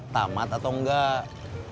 tamat atau enggak